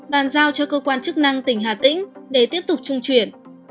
bàn giao cho cơ quan chức năng tỉnh hà tĩnh để tiếp tục trung chuyển